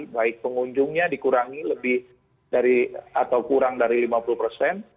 baik pengunjungnya dikurangi lebih dari atau kurang dari lima puluh persen